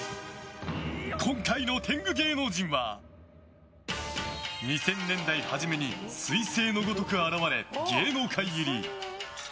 今回の天狗芸能人は２０００年代初めに彗星のごとく現れ、芸能界入り！